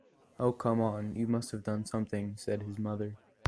"Oh come on, you must have done something" said his mother